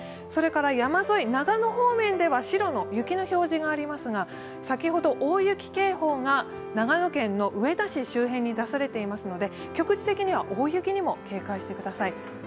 山沿い、長野方面では白の雪の表示がありますが、先ほど大雪警報が長野県の上田市周辺に出されていますので、局地的には大雪にも警戒してください。